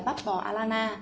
buffet bao nhiêu ạ